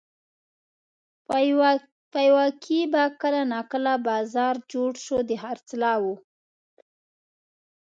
پېوه کې به کله ناکله بازار جوړ شو د خرڅلاو.